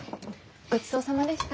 ごちそうさまでした。